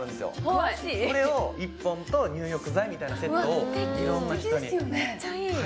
詳しいこれを１本と入浴剤みたいなセットをいろんな人にうわ